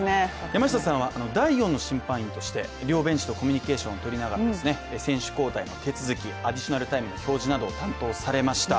山下さんは第４の審判員として両ベンチとコミュニケーションをとりながら選手交代の手続き、アディショナルタイムの表示などを担当されました。